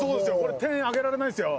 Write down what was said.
点あげられないですよ。